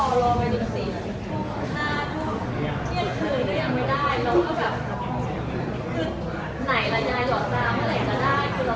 เขาก็บอกว่าเดี๋ยวเขาตัดเพื่อนอีกคนนึงที่กำลังจะเข้ามา